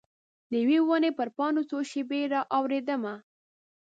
د یوي ونې پر پاڼو څو شیبې را اوریدمه